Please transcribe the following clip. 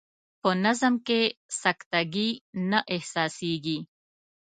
په نظم کې سکته ګي نه احساسیږي.